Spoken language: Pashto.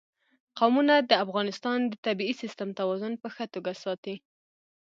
قومونه د افغانستان د طبعي سیسټم توازن په ښه توګه ساتي.